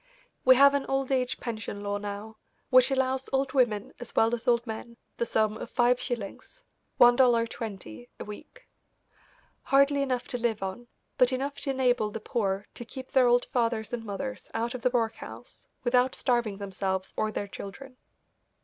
We have an old age pension law now, which allows old women as well as old men the sum of five shillings $1.20 a week; hardly enough to live on, but enough to enable the poor to keep their old fathers and mothers out of the workhouse without starving themselves or their children.